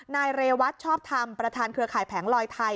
นายเรวัตชอบธรรมประธานเครือข่ายแผงลอยไทย